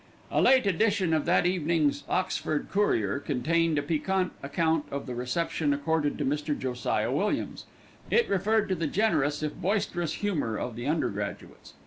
A late edition of that evening's Oxford Courier contained a piquant account of the reception accorded to Mr. Josiah Williams. It referred to the generous if boisterous humour of the undergraduates.